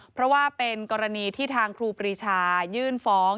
เพราะว่าเป็นกรณีที่ทางครูปรีชายื่นฟ้อง